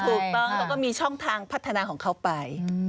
ถูกต้องแล้วก็มีช่องทางพัฒนาของเขาไป